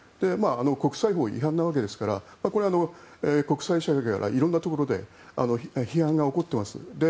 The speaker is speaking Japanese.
国際法違反なわけですからこれは国際社会から色んなところで批判が起こっています。